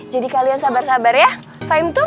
jadi kalian sabar sabar ya fahim tuh